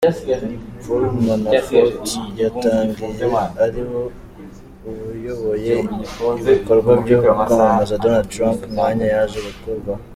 Paul Manafort yatangiye ariwe uyoboye ibikorwa byo kwamamaza Donald Trump, umwanya yaje gukurwaho